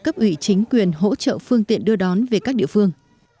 cấp ủy chính quyền hỗ trợ phương tiện đưa đón về các địa phương